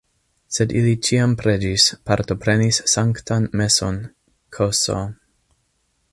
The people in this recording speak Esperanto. Sed ili ĉiam preĝis, partoprenis sanktan meson ks.